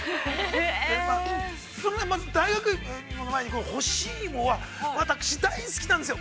まず大学芋の前に、干し芋は、私、大好きなんですよ。